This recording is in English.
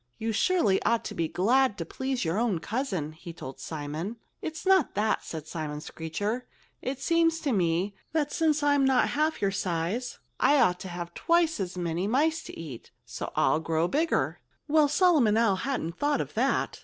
"You surely ought to be glad to please your own cousin," he told Simon. "It's not that," said Simon Screecher. "It seems to me that since I'm not half your size, I ought to have twice as many mice to eat, so I'll grow bigger." Well, Solomon Owl hadn't thought of that.